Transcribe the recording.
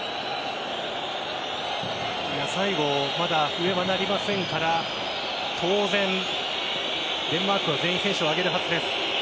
最後、まだ笛は鳴りませんから当然、デンマークは全員、選手を上げるはずです。